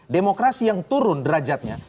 demokrasi yang turun derajatnya